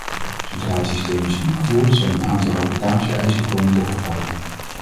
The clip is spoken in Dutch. Zodra het systeem is ingevoerd zal een aantal rapportage-eisen komen te vervallen.